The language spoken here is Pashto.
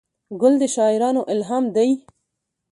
ګل د شاعرانو الهام دی.